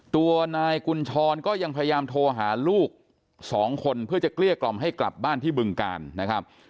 ตัวนายกุญชรก็ยังพยายามโทรหาลูกสองคนเพื่อจะเกลี้ยกล่อมให้กลับบ้านที่บึงกาลนะครับ